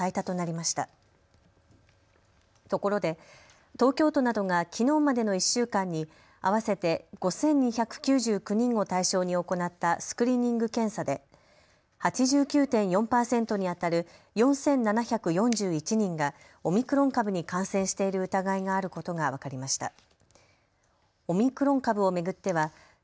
ところで、東京都などがきのうまでの１週間に合わせて５２９９人を対象に行ったスクリーニング検査で８９．４％にあたる４７４１人がオミクロン株に感染している疑いがあることが分かりました。